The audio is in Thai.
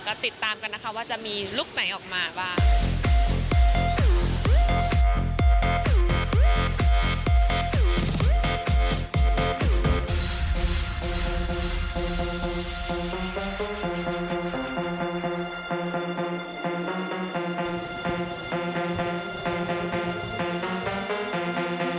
ก็ติดตามกันนะคะว่าจะมีลุคไหนออกมาบ้าง